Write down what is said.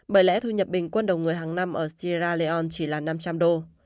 bởi lẽ thu nhập bình quân đầu người hàng năm ở sierra leon chỉ là năm trăm linh đô